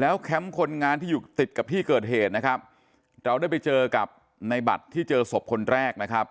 แล้วแคมป์คนงานที่อยู่ติดกับที่เกิดเหตุนะครับเราได้ไปเจอกับในบัตรที่เจอศพคนแรกนะครับ